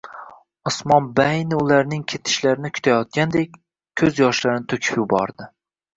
Osmon baayni ularning ketishlarini kutayotgandek, ko`z yoshlarini to`kib yubordi